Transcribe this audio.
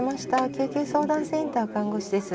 救急相談センター看護師です。